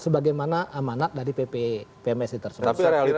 sebagaimana amanat dari pp pmsc tersebut